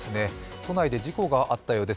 都内で事故があったようです。